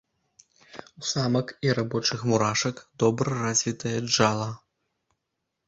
У самак і рабочых мурашак добра развітае джала.